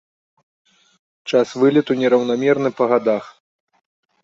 Час вылету нераўнамерны па гадах.